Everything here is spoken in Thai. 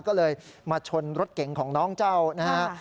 ก็เลยมาชนรถเก๋งของน้องเจ้านะฮะ